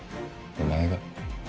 お前が？